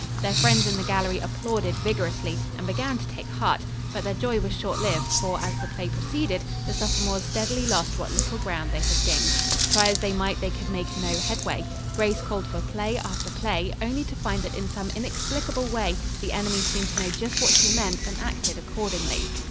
Their friends in the gallery applauded vigorously and began to take heart, but their joy was short lived, for as the play proceeded the sophomores steadily lost what little ground they had gained. Try as they might, they could make no headway. Grace called for play after play, only to find that in some inexplicable way the enemy seemed to know just what she meant, and acted accordingly.